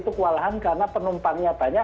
itu kewalahan karena penumpangnya banyak